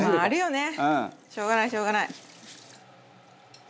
しょうがないしょうがない。